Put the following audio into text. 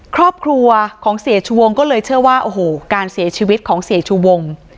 ครอบครัวของเสียชวงก็เลยเชื่อว่าโอ้โหการเสียชีวิตของเสียชูวง